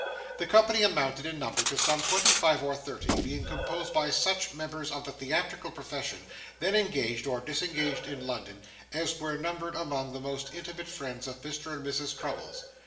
The company amounted in number to some twenty five or thirty, being composed of such members of the theatrical profession, then engaged or disengaged in London, as were numbered among the most intimate friends of Mr. and Mrs. Crummles.